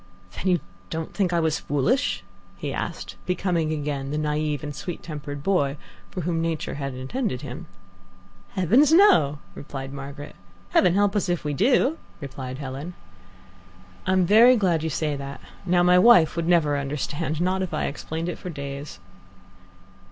"Then you don't think I was foolish?" he asked, becoming again the naive and sweet tempered boy for whom Nature had intended him. "Heavens, no!" replied Margaret. "Heaven help us if we do!" replied Helen. "I'm very glad you say that. Now, my wife would never understand not if I explained for days."